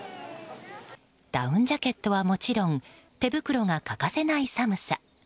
ダウンジャケットはもちろん手袋が欠かせない寒さ。